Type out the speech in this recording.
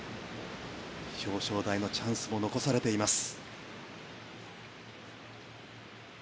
表彰台のチャンスも残されています。